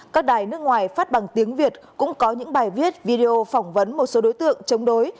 các đài nước ngoài phát bằng tiếng việt cũng có những bài viết video phỏng vấn một số đối tượng chống đối